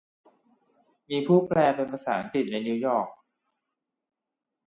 มีผู้แปลเป็นภาษาอังกฤษในนิวยอร์ค